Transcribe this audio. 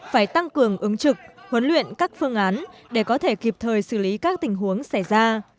phải tăng cường ứng trực huấn luyện các phương án để có thể kịp thời xử lý các tình huống xảy ra